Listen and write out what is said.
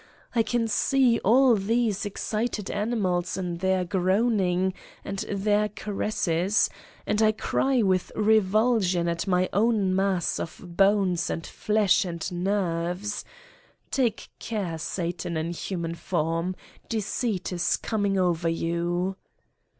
I can see all these excited* ani mals in their groaning and their caresses and I cry with revulsion at my own mass of bones and flesh and nerves! Take care, Satan in human form, Deceit is coming over You!